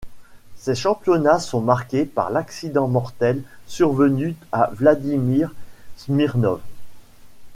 Ces championnats sont marqués par l’accident mortel survenu à Vladimir Smirnov.